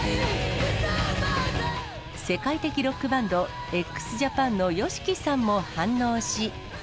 世界的ロックバンド、ＸＪＡＰＡＮのＹＯＳＨＩＫＩさんも反応し。